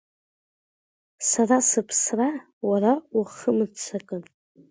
Сара сыԥсра уара уахымыццакын.